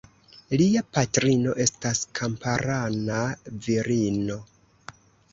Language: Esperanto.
Lia patrino estas kamparana virino.